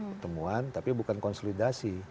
pertemuan tapi bukan konsolidasi